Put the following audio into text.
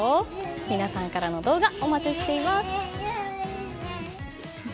皆さんからの動画お待ちしています。